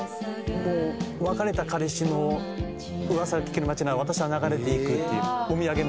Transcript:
もう別れた彼氏の「うわさが聞ける街なら私は流れてゆく」っていうお土産持って。